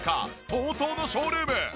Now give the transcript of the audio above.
ＴＯＴＯのショールーム。